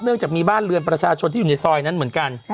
จากมีบ้านเรือนประชาชนที่อยู่ในซอยนั้นเหมือนกัน